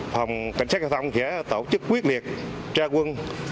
phòng cảnh sát giao thông sẽ tổ chức quyết liệt tra quân